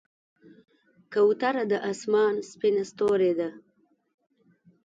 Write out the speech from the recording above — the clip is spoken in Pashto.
کوتره د آسمان سپینه ستورۍ ده.